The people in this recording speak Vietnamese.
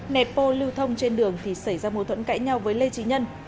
nẹp bô lưu thông trên đường thì xảy ra mối thuẫn cãi nhau với lê trí nhân